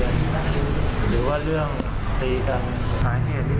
หรือว่าเรื่องตีกัน